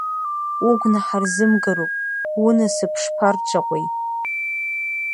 Угәнаҳа рзымгароуп, унасыԥ шԥарҿаҟәеи!